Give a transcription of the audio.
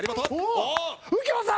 右京さん！